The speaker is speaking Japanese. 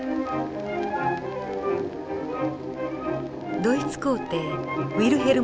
ドイツ皇帝ウィルヘルム